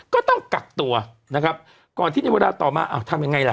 ก็ต้องกักตัวนะครับก่อนที่ในเวลาต่อมาอ้าวทำยังไงล่ะ